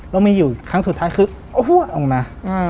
แล้วมีอยู่ครั้งสุดท้ายคืออ้วกออกมา